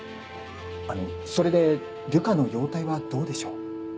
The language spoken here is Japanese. あのそれで瑠香の容体はどうでしょう？